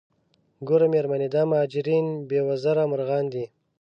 ګوره میرمنې دا مهاجرین بې وزره مرغان دي.